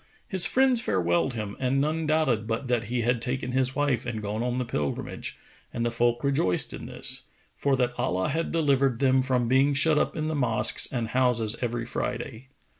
His friends farewelled him and none doubted but that he had taken his wife and gone on the Pilgrimage, and the folk rejoiced in this, for that Allah had delivered them from being shut up in the mosques and houses every Friday.